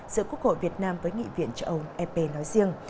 giữa quốc hội việt nam với nghị viện châu âu ep nói riêng